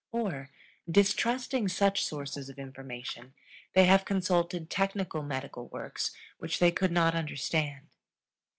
Or, distrusting such sources of information, they have consulted technical medical works which they could not understand.